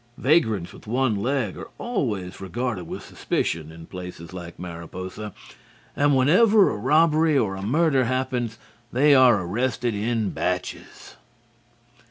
Vagrants with one leg are always regarded with suspicion in places like Mariposa, and whenever a robbery or a murder happens they are arrested in batches.